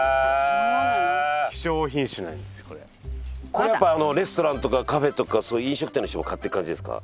これやっぱあのレストランとかカフェとかそういう飲食店の人も買っていく感じですか？